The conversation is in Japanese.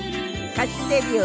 歌手デビュー